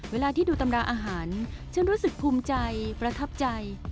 เวลาที่ดูตำราอาหารฉันรู้สึกภูมิใจประทับใจ